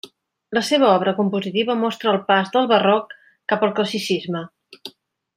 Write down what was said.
La seva obra compositiva mostra el pas del barroc cap al classicisme.